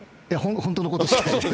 本当のことです。